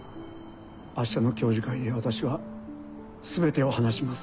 明日の教授会で私は全てを話します